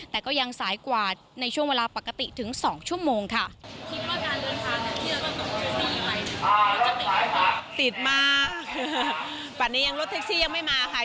แต่ก็ยังสายกว่าในช่วงเวลาปกติถึง๒ชั่วโมงค่ะ